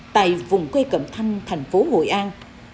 tại vùng quê cẩm thanh thành phố hội an